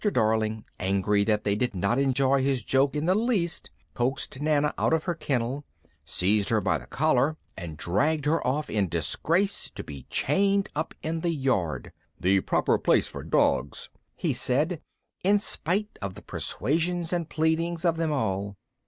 Darling, angry that they did not enjoy his joke in the least, coaxed Nana out of her kennel, seized her by the collar and dragged her off in disgrace, to be chained up in the yard, "the proper place for dogs," he said, in spite of the persuasions and pleadings of them all.